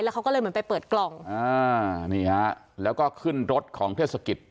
เขาก็เลยเหมือนไปเปิดกล่องอ่านี่ฮะแล้วก็ขึ้นรถของเทศกิจ